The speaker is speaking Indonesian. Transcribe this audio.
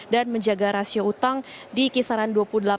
dan menjaga rasio utang di kisaran dua puluh delapan delapan